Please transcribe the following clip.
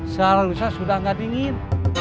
selalu saya sudah enggak dingin